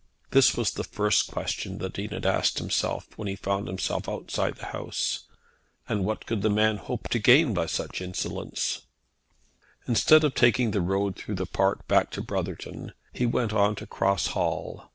This was the first question the Dean asked himself, when he found himself outside the house. And what could the man hope to gain by such insolence? Instead of taking the road through the park back to Brotherton, he went on to Cross Hall.